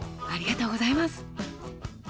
ありがとうございます。